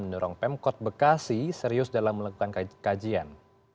mendorong pemkot bekasi serius dalam melakukan kajian